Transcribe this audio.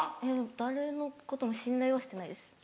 誰のことも信頼はしてないです。